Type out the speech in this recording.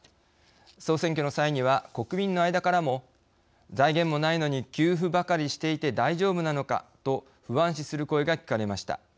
総選挙の際には、国民の間からも「財源もないのに給付ばかりしていて大丈夫なのか」と不安視する声が聞かれました。